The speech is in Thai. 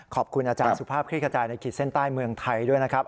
ขอบคุณอาจารย์สุภาพคลิกขจายในขีดเส้นใต้เมืองไทยด้วยนะครับ